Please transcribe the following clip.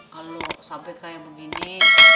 kalo sampai kayak begini